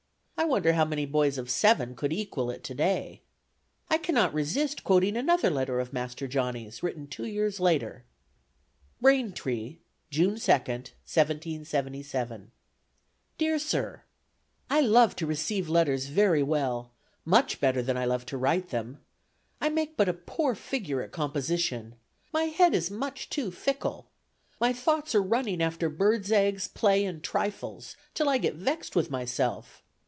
I wonder how many boys of seven could equal it today! I cannot resist quoting another letter of Master Johnny's, written two years later. "Braintree, June 2d, 1777. "DEAR SIR: "I love to receive letters very well; much better than I love to write them. I make but a poor figure at composition. My head is much too fickle. My thoughts are running after birds' eggs, play and trifles, till I get vexed with myself.